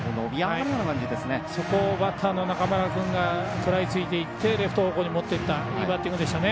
そこをバッターの中村君が食らいついていってレフト方向に持っていったいいバッティングでしたね。